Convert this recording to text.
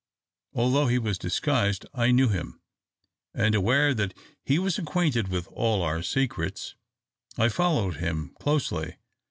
Although he was disguised I knew him, and, aware that he was acquainted with all our secrets, I followed him closely.